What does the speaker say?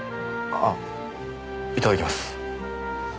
ああいただきます。